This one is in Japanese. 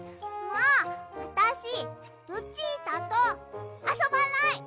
もうあたしルチータとあそばない！